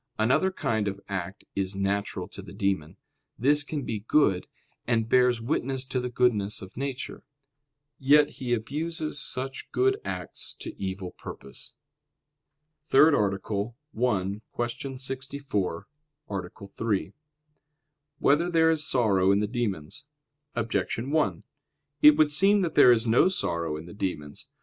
Another kind of act is natural to the demon; this can be good and bears witness to the goodness of nature. Yet he abuses even such good acts to evil purpose. _______________________ THIRD ARTICLE [I, Q. 64, Art. 3] Whether There Is Sorrow in the Demons? Objection 1: It would seem that there is no sorrow in the demons.